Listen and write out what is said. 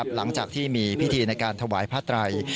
หลังจากที่มีพิธีในการถวายผ้าไตร